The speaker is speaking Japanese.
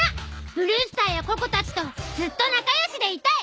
ブルースターやココたちとずっとなかよしでいたい！